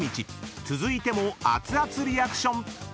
［続いても熱々リアクション］